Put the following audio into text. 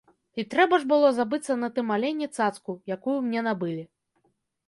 І трэба ж было забыцца на тым алені цацку, якую мне набылі.